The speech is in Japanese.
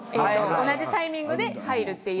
同じタイミングで入るっていう。